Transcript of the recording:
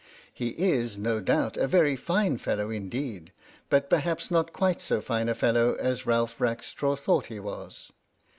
He is, no doubt, a very fine fellow indeed, but per haps not quite so fine a fellow as Ralph Rackstraw thought he was.